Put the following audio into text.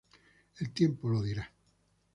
El tiempo lo dirá.